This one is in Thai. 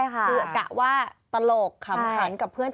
คือกะว่าตลกขำขันกับเพื่อน